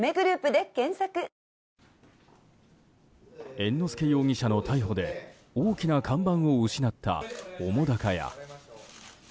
猿之助容疑者の逮捕で大きな看板を失った澤瀉屋。